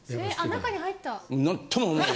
・中に入った！